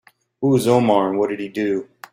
Who is Omar and what did he do?